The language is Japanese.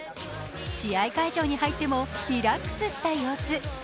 試合会場に入ってもリラックスした様子。